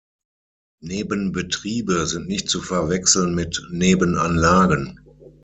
Nebenbetriebe sind nicht zu verwechseln mit Nebenanlagen.